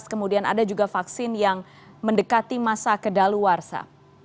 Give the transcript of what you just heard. kemudian ada juga vaksin yang mendekati masa kedaluarsa